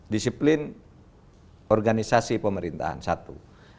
disiplin organisasi pemerintahan satu